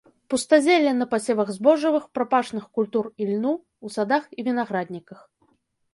Пустазелле на пасевах збожжавых, прапашных культур і льну, у садах і вінаградніках.